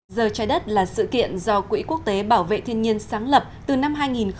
giờ trái đất là sự kiện do quỹ quốc tế bảo vệ thiên nhiên sáng lập từ năm hai nghìn một mươi